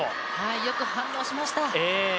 よく反応しました。